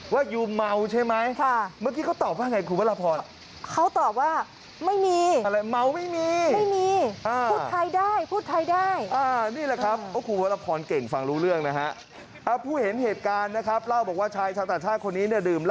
ว่าอยู่เมาใช่ไหม